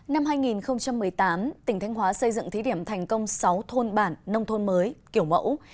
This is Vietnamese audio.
năm hai nghìn một mươi tám tỉnh thanh hóa xây dựng thí điểm thành công sáu thôn bản nông thôn mới kiểu mẫu